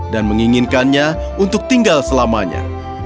dan menginginkannya untuk tinggal selamanya